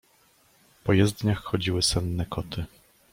” Po jezdniach chodziły senne koty.